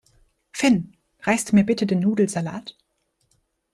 Finn, reichst du mir bitte den Nudelsalat?